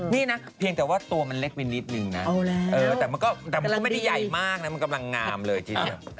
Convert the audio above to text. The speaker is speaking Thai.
นี่นะเพียงแต่ว่าตัวมันเล็กไปนิดนึงนะแต่มันก็แต่มันก็ไม่ได้ใหญ่มากนะมันกำลังงามเลยทีเดียว